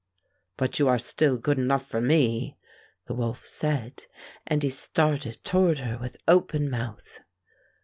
"But you are still good enough for me," the wolf said, and he started toward her with open mouth.